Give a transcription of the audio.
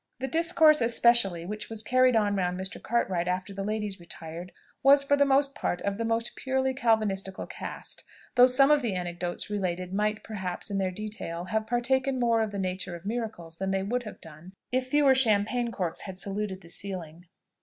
The discourse especially, which was carried on round Mr. Cartwright after the ladies retired, was, for the most part, of the most purely Calvinistical cast: though some of the anecdotes related might, perhaps, in their details, have partaken more of the nature of miracles than they would have done if fewer champagne corks had saluted the ceiling.